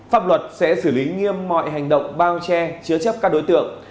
pháp luật sẽ xử lý nghiêm mọi hành động bao che chứa chấp các đối tượng